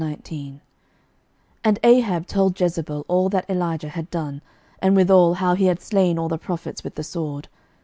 11:019:001 And Ahab told Jezebel all that Elijah had done, and withal how he had slain all the prophets with the sword.